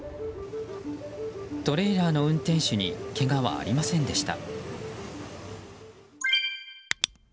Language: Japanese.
トレーラーの運転手にけがはありませんでした。